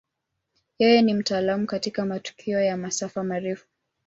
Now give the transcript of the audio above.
Yeye ni mtaalamu katika matukio ya masafa marefu.